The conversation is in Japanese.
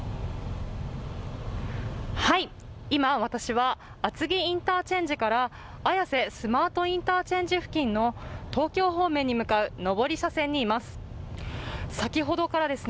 今、私は厚木インターチェンジから綾瀬スマートインターチェンジの東京方面に向かう上り車線にいます。